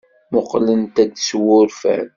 Mmuqqlen-t s wurfan.